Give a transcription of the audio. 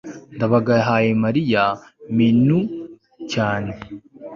ndabaga yahaye mariya menu cyane